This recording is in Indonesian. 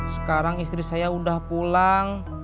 sekarang istri saya sudah pulang